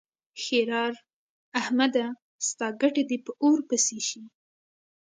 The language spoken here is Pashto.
ښېرار: احمده! ستا ګټه دې په اور پسې شي.